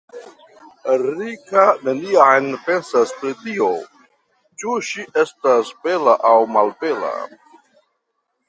Rika neniam pensas pri tio, ĉu ŝi estas bela aŭ melbela.